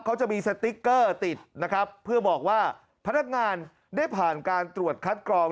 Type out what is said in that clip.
เขาจะมีสติ๊กเกอร์ติดนะครับเพื่อบอกว่าพนักงานได้ผ่านการตรวจคัดกรอง